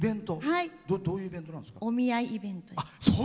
どういうイベントなんですか？